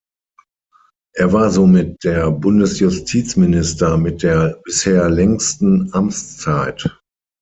Er war somit der Bundesjustizminister mit der bisher längsten Amtszeit.